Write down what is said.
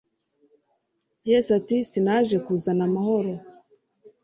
yesu ati “sinaje kuzana amahoro